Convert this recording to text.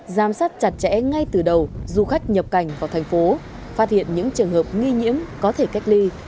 giám sát chặt chẽ ngay từ đầu du khách nhập cảnh vào thành phố phát hiện những trường hợp nghi nhiễm có thể cách ly